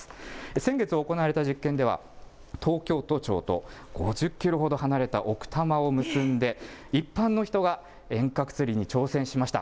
先月行われた実験では、東京都庁と５０キロほど離れた奥多摩を結んで、一般の人が遠隔釣りに挑戦しました。